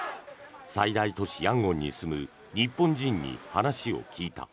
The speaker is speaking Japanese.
最大都市ヤンゴンに住む日本人に話を聞いた。